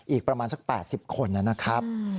อีกประมาณสัก๘๐คนนะครับ